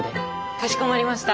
かしこまりました。